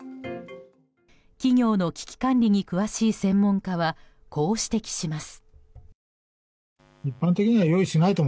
企業の危機管理に詳しい専門家はこう指摘します。